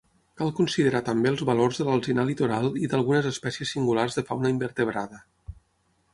Cal considerar també els valors de l’alzinar litoral i d’algunes espècies singulars de fauna invertebrada.